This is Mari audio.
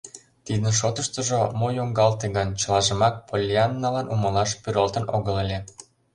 Тидын шотыштыжо мо йоҥгалте гын, чылажымак Поллианналан умылаш пӱралтын огыл ыле.